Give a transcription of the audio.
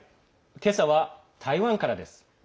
今朝は台湾からです。